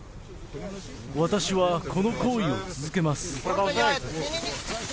私はこの行為を続けます。